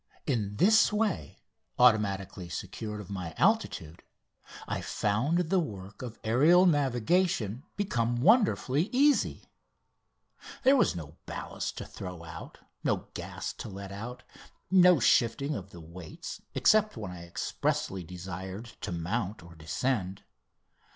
In this way, automatically secure of my altitude, I found the work of aerial navigation become wonderfully easy. There was no ballast to throw out, no gas to let out, no shifting of the weights except when I expressly desired to mount or descend.